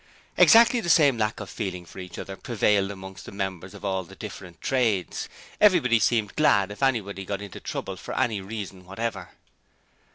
Exactly the same lack of feeling for each other prevailed amongst the members of all the different trades. Everybody seemed glad if anybody got into trouble for any reason whatever.